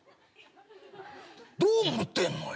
どう思ってんのよ。